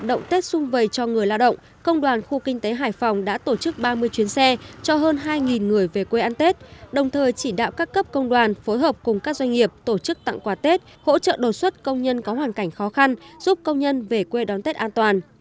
động tết xung vầy cho người lao động công đoàn khu kinh tế hải phòng đã tổ chức ba mươi chuyến xe cho hơn hai người về quê ăn tết đồng thời chỉ đạo các cấp công đoàn phối hợp cùng các doanh nghiệp tổ chức tặng quà tết hỗ trợ đột xuất công nhân có hoàn cảnh khó khăn giúp công nhân về quê đón tết an toàn